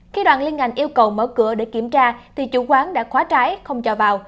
khi đoàn liên ngành yêu cầu mở cửa để kiểm tra thì chủ quán đã khóa trái không cho vào